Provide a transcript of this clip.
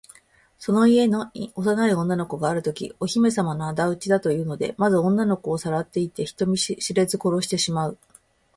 その家に幼い女の子があるときは、お姫さまのあだ討ちだというので、まず女の子をさらっていって、人知れず殺してしまう。